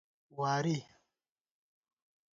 واری